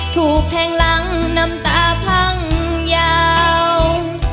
ถูกแทงหลังน้ำตาพังยาว